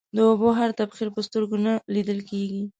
د اوبو هر تبخير په سترگو نه ليدل کېږي.